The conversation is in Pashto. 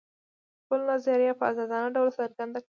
خپل نظر په ازادانه ډول څرګند کړي.